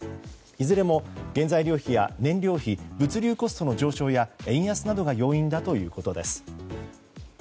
いずれも原材料費や燃料費物流コストの上昇や円安などが要因だということです。